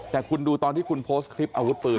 แต่คุณดูตอนที่คุณโพสต์คลิปอาวุธปืน